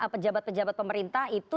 pejabat pejabat pemerintah itu